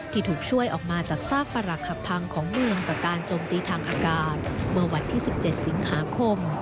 ที่ถูกช่วยออกมาจากซากประหลักหักพังของเมืองจากการโจมตีทางอากาศเมื่อวันที่๑๗สิงหาคม